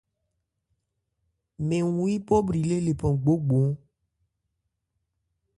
Mɛn wu yípɔ bhri lê lephan gbógbo ɔ́n.